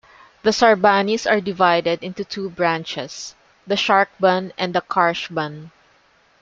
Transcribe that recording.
The Sarbanis are divided into two branches: the Sharkbun and the Kharshbun.